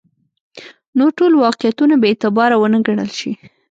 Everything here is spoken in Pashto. نور ټول واقعیتونه بې اعتباره ونه ګڼل شي.